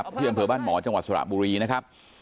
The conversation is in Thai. เผื่อบ้านหมอจังหวัดสระบุรีนะครับ